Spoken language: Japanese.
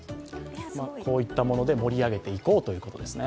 こういったもので盛り上げていこうというものですね。